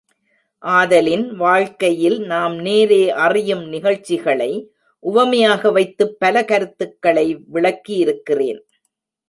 ஆதலின், வாழ்க்கையில் நாம் நேரே அறியும் நிகழ்ச்சிகளை உவமையாக வைத்துப் பல கருத்துக்களை விளக்கியிருக்கிறேன்.